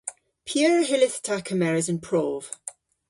P'eur hyllydh ta kemeres an prov?